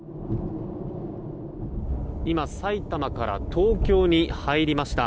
今、埼玉から東京に入りました。